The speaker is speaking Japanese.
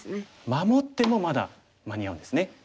守ってもまだ間に合うんですね。